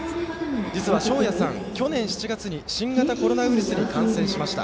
実は彰哉さん、去年７月に新型コロナウイルスに感染しました。